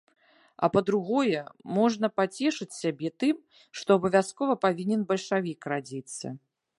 А па-другое, можна пацешыць сябе тым, што абавязкова павінен бальшавік радзіцца!